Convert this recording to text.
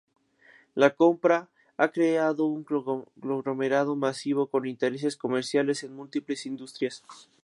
La compra ha creado un conglomerado masivo con intereses comerciales en múltiples industrias.